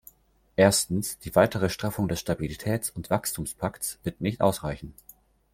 Erstens, die weitere Straffung des Stabilitäts- und Wachstumspakts wird nicht ausreichen.